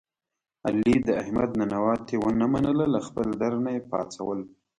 علي د احمد ننواتې و نه منله له خپل در نه یې پا څول.